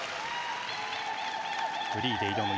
フリーで挑む